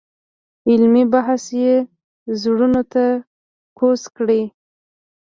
علمي بحث یې زړونو ته کوز کړی.